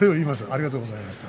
ありがとうございます。